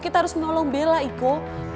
kita harus menolong bella iko